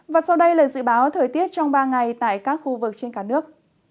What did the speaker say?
và sau đây là dự báo thời tiết trong ba ngày tại các khu vực trên cả nước